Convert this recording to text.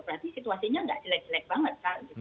berarti situasinya nggak jelek jelek banget kak